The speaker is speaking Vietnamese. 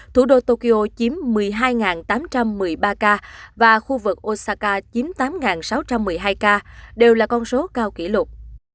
thủ đô tokyo chiếm một mươi hai tám trăm một mươi ba ca và khu vực osaka chiếm tám sáu trăm một mươi hai ca đều là con số cao kỷ lục